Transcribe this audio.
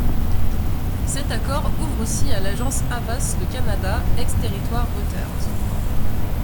Cet accord ouvre aussi à l'Agence Havas le Canada, ex-territoire Reuters.